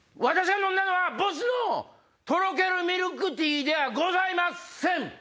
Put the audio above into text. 私が飲んだのはボスのとろけるミルクティーではございません。